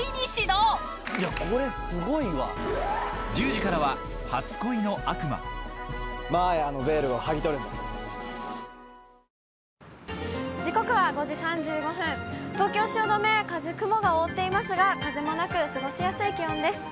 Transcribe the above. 時刻は５時３５分、東京・汐留は、雲が覆っていますが、風もなく過ごしやすい気温です。